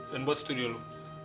dan buat studio lo